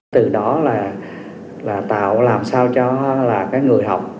từ đó là tạo làm sao cho là cái người học